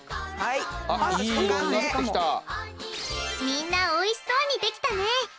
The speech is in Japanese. みんなおいしそうにできたね！